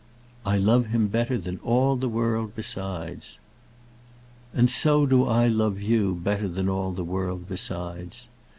"I love him better than all the world besides." "And so do I love you better than all the world besides."